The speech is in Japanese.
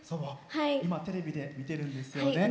今テレビで見てるんですよね。